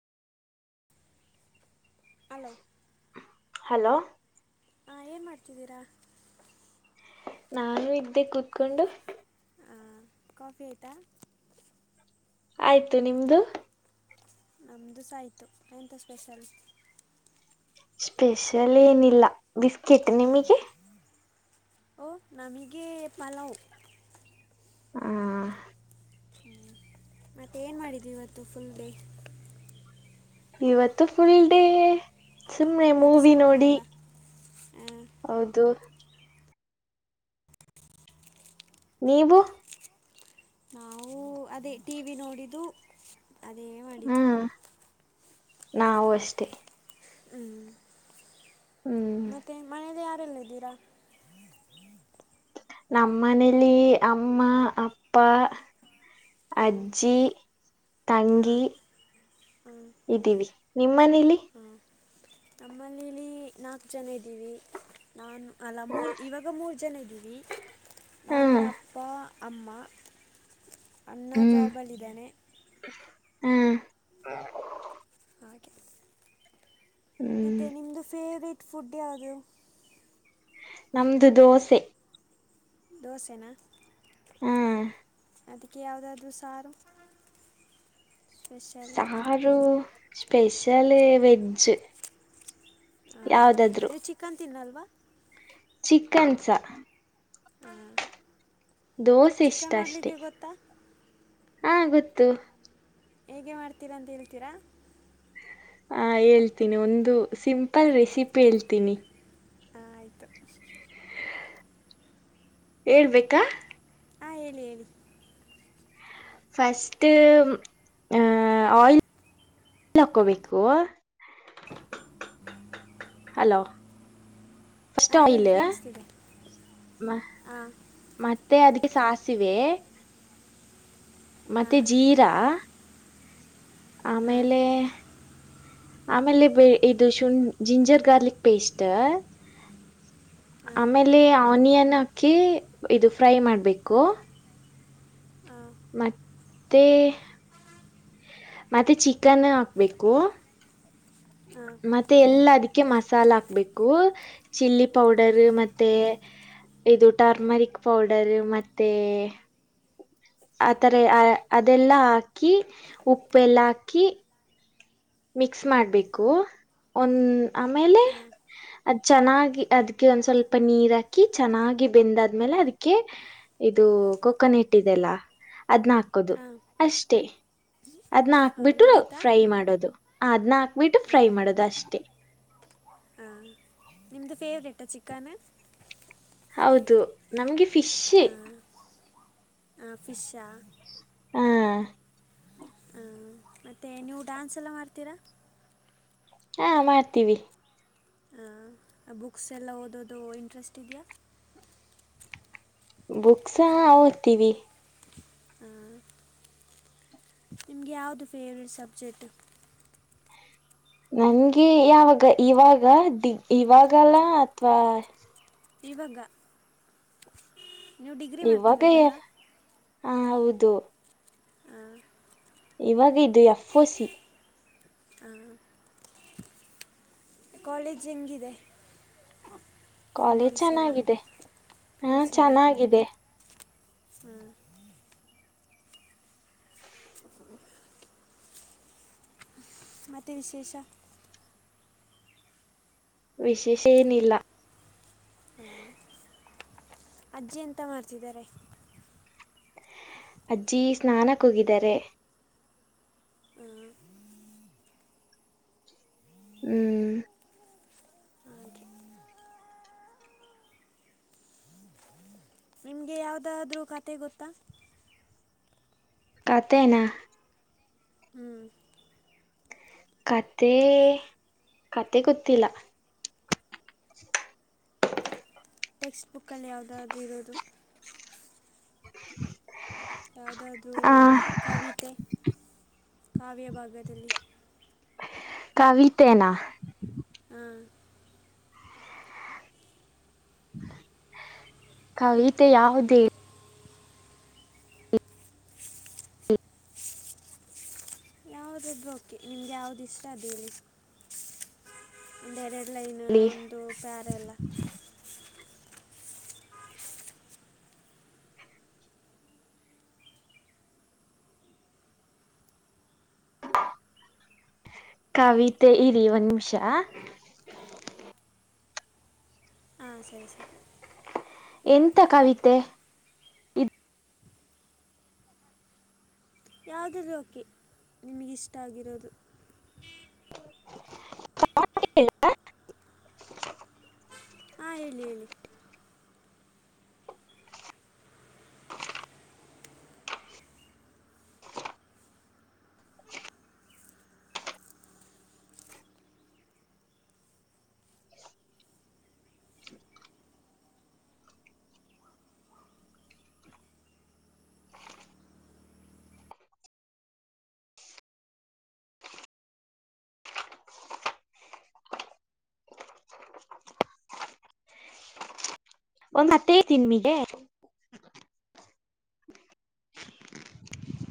Hello hello ಹಾ ಏನ್ ಮಾಡ್ತಿದ್ದೀರಾ. ನಾನು ಇದ್ದೆ ಕೂತ್ಕೊಂಡು. ಆ ಕಾಫಿ ಆಯ್ತಾ. ಆಯ್ತು ನಿಮ್ದು. ನಮ್ದುಸ ಆಯ್ತು ಎಂತ ಸ್ಪೆಷಲ್. ಸ್ಪೆಷಲ್ ಏನಿಲ್ಲ ಬಿಸ್ಕೆಟ್ ನಿಮಗೆ. ಓ ನಾಮಿಗೆ ಪಲಾವು. ಆ ಹ್ಮು ಮತ್ತೆ ಏನ್ ಮಾಡಿದಿ ಇವತ್ತು ಫುಲ್ ಡೇ. ಇವತ್ತು ಫುಲ್ ಡೇ ಸುಮ್ನೆ ಇವತ್ತು ಮೂವಿ ಸಂಡೇ ನೋಡಿ. ಅಲ್ಲ ಆ, ಹೌದು ನೀವು ನಾವು ಅದೇ ಟಿವಿ ನೋಡಿದು ಅದೇ ಮಾಡಿತು. ಹ್ಮ್ ನಾವು ಅಷ್ಟೇ. ಹ್ಮ್ ಹ್ಮ್ ಮತ್ತೆ ಮನೇಯಲ್ಲಿ ಯಾರೆಲ್ಲ ಇದ್ದೀರಾ. [inaudible] ಹಾಂ ಅಜ್ಜಿ ತಂಗಿ ಹಾಂ ಹಾಂ ಇದ್ದೀವಿ ನಿಮ್ ಮನೇಲಿ ನಮ್ ಮನೇಲಿಲಿ. ನಾಕ್ ಜನ ಇದ್ದೀವಿ ನಾನು ಅಲ್ಲ ಮೂರು ಇವಾಗ ಮೂರು ಜನ ಇದ್ದೀವಿ ನಾನು ಹ್ಮ್ ಅಪ್ಪ ಅಮ್ಮ ಅಣ್ಣ ಹ್ಮ್ ಜಾಬ್ ಅಲ್ಲಿ ಇದಾನೆ ಹ್ಮ್ ಹಾಗೆ ಹ್ಮ್ ಮತ್ತೆ ನಿಮ್ದು ಫೇವ್ರೇಟ್ ಫುಡ್ ಯಾವುದು. ನಮ್ದು ದೋಸೆ ದೋಸೆನ ಹ್ಮ್ ಅದಿಕ್ಕೆ ಯಾವುದದು ಸಾರು ಸ್ಪೆಷಲ್ ಅದು ಸ್ಪೆಷಲ್ ವೆಜ್ ಹಾಂ ಯಾವ್ದಾದ್ರು ನೀವು ಚಿಕನ್ ತಿನ್ನಲ್ವಾ ಚಿಕನ್ ಸಾ ಹಾಂ ದೋಸೆ ಇಷ್ಟ ಚಿಕನ್ ಅಷ್ಟೇ ಮಾಡಲಿಕ್ಕೆ ಗೊತ್ತಾ ಹಾ ಗೊತ್ತು ಹಿಗೆ ಮಾಡ್ತೀರಾ ಅಂತ ಹೇಳ್ತೀರಾ. ಅಂ ಹೇಳ್ತೀನಿ ಒಂದು ಸಿಂಪಲ್ ರೆಸಿಪಿ ಹೇಳ್ತೀನಿ. ಆಯ್ತು ಹೇಳ್ಬೇಕಾ ಹಾ ಹೇಳಿ ಹೇಳಿ ಫಸ್ಟ್ ಆಯಿಲ್ ಆಯಿಲ್ ಹಾಕ್ಕೋಬೇಕು ಹಲೋ ಫಸ್ಟ್ ಹಾಂ ಆಯಿಲ್ ಹೇಳಿ ಕೇಳಿಸ್ತಿದೆ ಹಾಂ ಮತ್ತೆ ಅದಿಕ್ಕೆ ಸಾಸಿವೆ ಮತ್ತೆ ಹಾಂ ಜೀರಾ. ಹಾಂ ಆಮೇಲೆ ಆಮೇಲೆ ಬೆ ಇದು ಶುಂ ಜಿಂಜರ್ ಗಾರ್ಲಿಕ್ ಪೇಸ್ಟ್ ಆಮೇಲೆ ಆನಿಯನ್ ಹಾಕಿ ಇದು ಫ್ರೈ ಮಾಡ್ಬೇಕು ಹಾಂ ಮತ್ತೆ ಮತ್ತೆ ಚಿಕನ್ ಹಾಕ್ಬೇಕು ಹಾಂ ಮತ್ತೆ ಎಲ್ಲ ಅದಿಕ್ಕೆ ಮಸಾಲ ಹಾಕ್ಬೇಕು ಚಿಲ್ಲಿ ಹಾಂ ಪೌಡರ್ ಮತ್ತೆ ಇದು ಟರ್ಮರಿಕ್ ಪೌಡರ್ ಮತ್ತೆ ಆ ತರೆ ಅದೆಲ್ಲ ಹಾಕಿ ಉಪ್ಪೆಲ್ಲ ಹಾಕಿ ಮಿಕ್ಸ್ ಹ್ಞೂ ಮಾಡ್ಬೇಕು ಒನ್ ಆಮೇಲೆ ಹಾಂ ಅದ್ ಚೆನ್ನಾಗಿ ಅದ್ಕ್ಕೆ ಒಂದ್ ಸ್ವಲ್ಪ ನೀರ್ ಹಾಕಿ ಚೆನ್ನಾಗಿ ಬೆಂದಾದ್ಮೇಲೆ ಅದಿಕ್ಕೆ ಇದು ಕೊಕೋನೆಟ್ ಇದೆಲ್ಲ ಅದ್ನ್ ಹಾಕೋದು ಹಾಂ ಅಷ್ಟೇ ಅದ್ನ ಹಾಂ ಹಾಕ್ಬಿಟ್ಟು ಮುಗೀತಾ ಫ್ರೈ ಮಾಡೋದು, ಅದನ್ನ ಹಾಕ್ಬಿಟ್ಟು ಫ್ರೈ ಮಾಡೋದು ಅಷ್ಟೇ. ಹ್ಮ್ ನಿಮ್ದ ಫೇವರೇಟ್ ಚಿಕನ್ ಹೌದು ನಮ್ಗೆ ಫಿಶ್ ಅಂ ಅಂ ಫಿಶಾ ಹ್ಮ ಹಞ ಮತ್ತುತ್ತೆ ನೀವು ಡ್ಯಾನ್ಸ್ ಎಲ್ಲ ಮಾಡ್ತೀರಾ ಹಾ ಮಾಡ್ತೀವಿ ಹಾ ಬುಕ್ಸ್ ಎಲ್ಲ ಓದೋದು ಇಂಟ್ರೆಸ್ಟ್ ಇದೆಯಾ ಬುಕ್ಸ ಓದ್ತೀವಿ ಹಾ ನಿಮಗೆ ಆವು ದೇವರಟ್ ಸಬ್ಜೆಕ್ಟ್ ನಂಗೆ ಯಾವಾಗ ಇವಾಗ ದಿಗ್ ಇವಾಗಲ್ಲ ಅಥವಾ ಇವಾಗ ನೀವು ಡಿಗ್ರಿ ಇವಾಗ ಮಾಡ್ತಿರೋದಲ್ಲ ಹ ಹೌದು ಹ ಇವಾಗ ಇದು ಎಫ್ ಸಿಿ ಹ ಕಾಲೇಜ್ ಹೆಂಗಿದೆ ಕಾಲೇಜ್ ಮೆಮೊರೀಸ್ ಎಲ್ಲ ಚೆನ್ನಾಗಿದೆ ಪಿ ಹಾ ಯು ಚಿಲಿ ಚೆನ್ನಾಗಿದೆ ಹ್ಞೂ [inaudible] ಮೆ ವಿಶೇಷ ವಿಶೇಷ ಏನಿಲ್ಲ ಹ್ಮ್ ಅಜ್ಜಿ ಎಂತ ಮಾಡ್ತಿದ್ದಾರೆ ಅಜ್ಜಿ ಸ್ನಾನಕ್ಕೋಗಿದ್ದಾರೆ ಹ್ಮ್ ಹಾಗೆ ನಿಮಗೆ ಯಾವುದಾದ್ರೂ ಖಾತೆ ಗೊತ್ತಾ ತೆನಾ ಹ್ಮ್ ಖತೆ ಖತೆ ಗೊತ್ತಿಲ್ಲ ಟೆಕ್ಸ್ಟ್ ಬುಕ್ಕಲ್ಲಿ ಯಾವುದಾದ್ರರು ಇರೋದು [unintelligible] ಯಾವುದಾದ್ರೂ ಆ ಕವಿತೆ ಕಾವ್ಯ ಭಾಗದಲ್ಲಿ ಕವಿತೆನಾ ಹಾ ಕವಿತೆ ಯಾವುದೇ ಹೌದದು ಓಕೆ ನಿಮ್ಗೆ ಯಾವ್ದು ಇಷ್ಟ ಅದ ಹೇಳಿ ಬೇರೆ ಲೈನ್ ಹೇಳಿ ಒಂದು ಪ್ಯಾರೆ ಎಲ್ಲ ಕವಿತೆ ಇಲಿ ಒಂದ್ ನಿಮಿಷ ಹಾಂ ಸರಿ ಸರಿ ಎಂತ ಕವಿತೆ ಯಾವು್ದ್ರೂ ಓಕೆ ನಿಮಗಿಷ್ಟ ಆಗಿರೋದು [unintelligible] ಹಾ ಹೇಳಿ ಹೇಳಿ ಒಂದ್ ಹತ್ತೈ ತಿನ್ ಮೀಗೆ